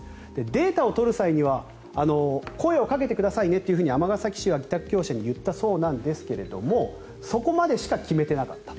データを取る際には声をかけてくださいねと尼崎市は委託業者に言ったそうなんですけどもそこまでしか決めていなかった。